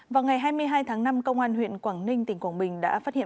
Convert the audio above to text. vào ngày hai mươi hai tháng năm công an huyện quảng ninh tỉnh quảng bình đã phát hiện